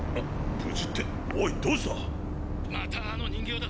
無事っておいどうした⁉またあの人形だ！